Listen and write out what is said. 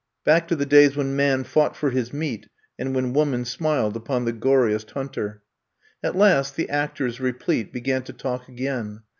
Back to the days when man fought for his meat and when woman smiled upon the goriest hunter. At last, the actors, replete, began to talk again.